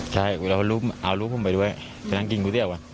ใช่วันหนึ่งเอาลูกผมไปด้วยไปนั่งกินกูเดียวอะ